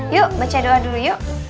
yuk baca doa dulu yuk